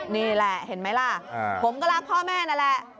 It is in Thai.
นี่แหละเห็นไหมล่ะผมก็รักพ่อแม่นั่นแหละ